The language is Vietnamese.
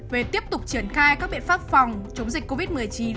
về tiếp tục triển khai các biện pháp phòng chống dịch covid một mươi chín